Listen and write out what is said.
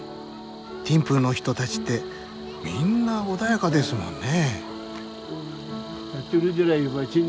ティンプーの人たちってみんな穏やかですもんね。